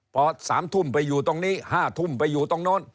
พอ๓ทุ่มไปอยู่ตรงนี้๕ทุ่มไปอยู่ตรงโน้น